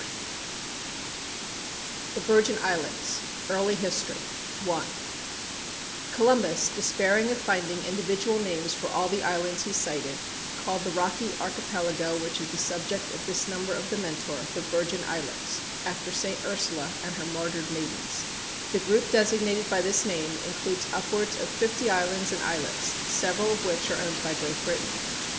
THOMAS HARBOR, VIRGIN ISLANDS VIEW FROM THE FORT, BEFORE THE DANISH FLAG CAME DOWN] THE VIRGIN ISLANDS Early History ONE Columbus, despairing of finding individual names for all the islands he sighted, called the rocky archipelago which is the subject of this number of The Mentor, "'The Virgin Islands,' after Saint Ursula and her martyred maidens." The group designated by this name includes upwards of fifty islands and islets, several of which are owned by Great Britain.